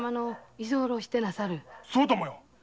そうともよ。